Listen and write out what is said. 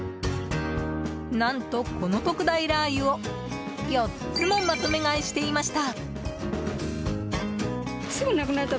何と、この特大ラー油を４つもまとめ買いしていました。